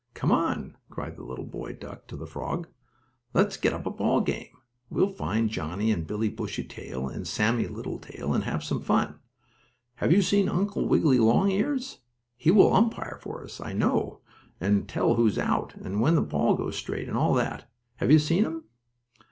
"Come on!" cried the little boy duck, to the frog. "Let's get up a ball game. We'll find Johnnie and Billie Bushytail, and Sammie Littletail, and have some fun. Have you seen Uncle Wiggily Longears? He will umpire for us, I know, and tell who's out, and when the balls go straight, and all that. Have you seen him?"